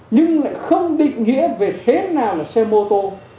nhưng lại không định nghĩa về thế nào là xe mô tô